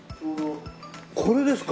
これですか？